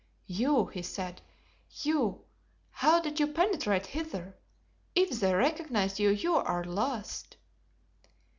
"You!" he said, "you! how did you penetrate hither? If they recognize you, you are lost."